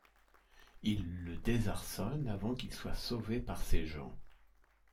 Il le désarçonne avant qu'il soit sauvé par ses gens.